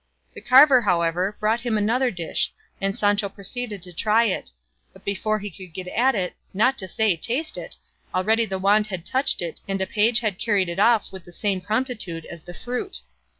The carver, however, brought him another dish, and Sancho proceeded to try it; but before he could get at it, not to say taste it, already the wand had touched it and a page had carried it off with the same promptitude as the fruit.